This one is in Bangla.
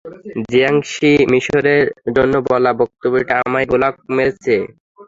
জিয়াংশি মিশনের জন্য বলা ব্যক্তিটি আমায় ব্লক মেরেছে।